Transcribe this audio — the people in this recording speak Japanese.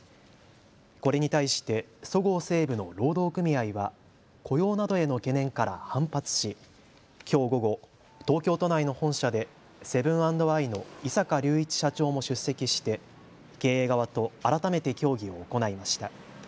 これに対して、そごう・西武の労働組合は雇用などへの懸念から反発しきょう午後、東京都内の本社でセブン＆アイの井阪隆一社長も出席して経営側と改めて協議を行いました。